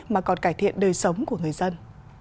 mà còn cải thiện đời sống của người dân